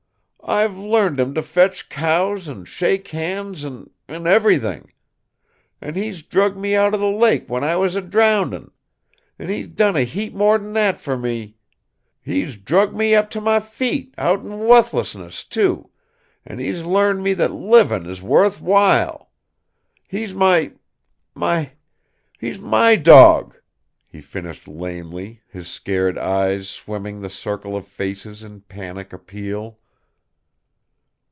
I've learned him to fetch cows an' shake hands an' an' everything! An' he drug me out'n the lake, when I was a drowndin'! An' he done a heap more'n that fer me! He's drug me up to my feet, out'n wuthlessness, too; an' he's learned me that livin' is wuth while! He's my my he's my dawg!" he finished lamely, his scared eyes sweeping the circle of faces in panic appeal.